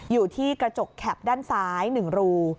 อยู่ที่กระจกแข็บด้านซ้าย๑รู